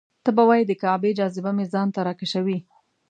ته به وایې د کعبې جاذبه مې ځان ته راکشوي.